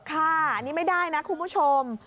ค่ะอันนี้ไม่ได้นะคุณผู้ชม